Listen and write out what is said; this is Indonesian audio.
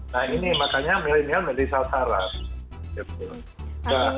nah ini makanya milenial menjadi sasaran